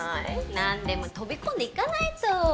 なんでも飛び込んでいかないと。